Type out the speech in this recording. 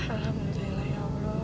alhamdulillah ya allah